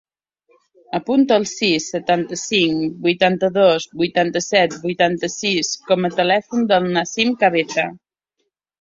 Apunta el sis, setanta-cinc, vuitanta-dos, vuitanta-set, vuitanta-sis com a telèfon del Nassim Cabeza.